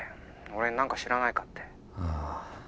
☎俺に何か知らないかってああ